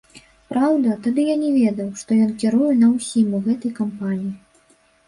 Праўда, тады я не ведаў, што ён кіруе не ўсім у гэтай кампаніі.